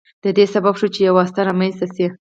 د دې سبب شو چې یو واسطه رامنځته شي.